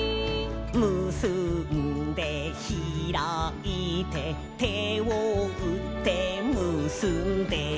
「むすんでひらいて」「手をうってむすんで」